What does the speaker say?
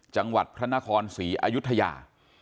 จังหวัดพระนครศรีอายุทยา